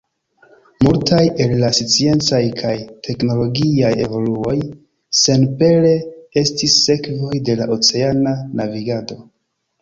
Multaj el la sciencaj kaj teknologiaj evoluoj senpere estis sekvoj de la oceana navigado.